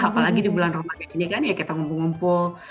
apalagi di bulan ramadan ini kan ya kita ngumpul ngumpul